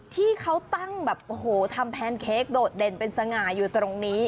ที่เขาตั้งแบบโอ้โหทำแพนเค้กโดดเด่นเป็นสง่าอยู่ตรงนี้